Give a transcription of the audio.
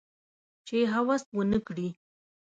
چې هوس ونه کړي